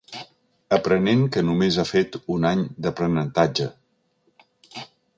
Aprenent que només ha fet un any d'aprenentatge.